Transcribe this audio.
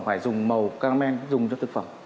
phải dùng màu caramel dùng cho thực phẩm